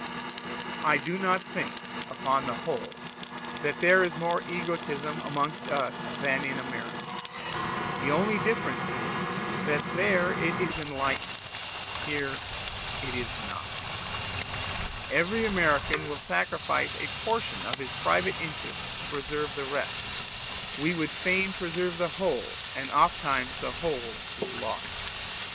I do not think upon the whole that there is more egotism amongst us than in America; the only difference is, that there it is enlightened here it is not. Every American will sacrifice a portion of his private interests to preserve the rest; we would fain preserve the whole, and oftentimes the whole is lost.